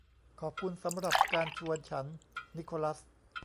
ขอบคุณสำหรับการชวนฉัน นิโคลัส